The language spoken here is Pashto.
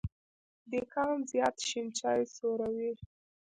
دیکان زیات شين چای څوروي.